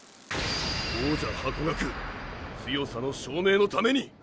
王者ハコガク強さの証明のために！